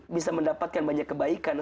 bisa mendapatkan banyak kebaikan